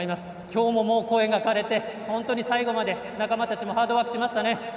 今日も、もう声が枯れて本当に最後まで仲間たちもハードワークしましたね。